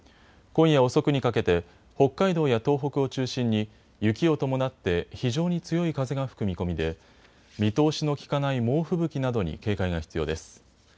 今夜遅くにかけて北海道や東北を中心に雪を伴って非常に強い風が吹く見込みで見通しのきかない猛吹雪などに警戒が必要です。